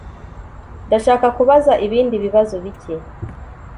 Ndashaka kubaza ibindi bibazo bike.